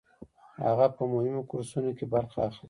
هغه په مهمو کورسونو کې برخه اخلي.